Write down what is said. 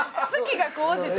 好きが高じて。